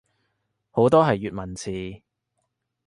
好多係粵文詞